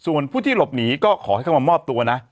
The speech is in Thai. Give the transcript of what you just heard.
ส่วนผู้ที่หลบหนีก็ขอให้เข้ามามอบตัวนะ